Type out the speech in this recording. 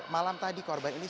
malam tadi korban ini